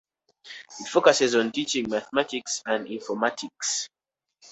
It focuses on teaching mathematics and informatics.